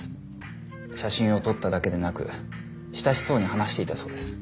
写真を撮っただけでなく親しそうに話していたそうです。